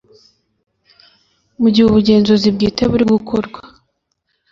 mu gihe ubugenzuzi bwite buri gukorwa